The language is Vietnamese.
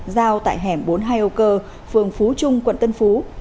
giao tại hẻm bốn mươi hai âu cơ phường phú trung quận tân phú